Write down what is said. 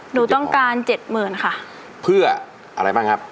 หนูต้องการ๗๐๐๐๐ค่ะเพื่ออะไรบ้างครับ